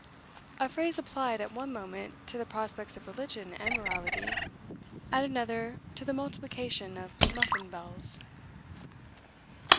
a phrase applied at one moment to the prospects of religion and morality, at another to the multiplication of muffin bells.